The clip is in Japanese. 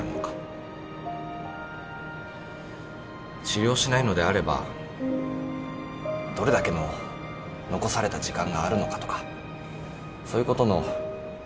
治療しないのであればどれだけの残された時間があるのかとかそういうことの予想がついてしまって。